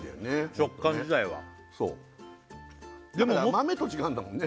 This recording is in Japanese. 食感自体はそうでも豆と違うんだもんね